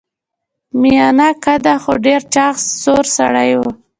میانه قده خو ډیر چاغ سور سړی و.